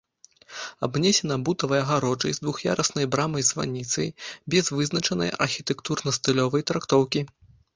Абнесена бутавай агароджай з двух'яруснай брамай-званіцай без вызначанай архітэктурна-стылёвай трактоўкі.